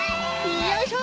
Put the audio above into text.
よいしょ！